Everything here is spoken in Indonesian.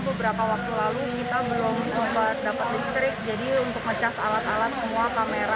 beberapa waktu lalu kita belum sempat dapat listrik jadi untuk ngecas alat alat semua kamera